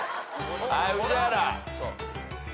はい宇治原。